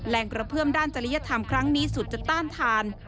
กระเพื่อมด้านจริยธรรมครั้งนี้สุดจะต้านทาน